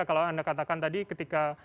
kalau anda katakan tadi ketika